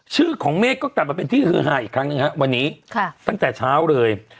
ชื่อของเมฆก็กลับมาเป็นที่ฮือฮาอีกครั้งหนึ่งฮะวันนี้ตั้งแต่เช้าเลย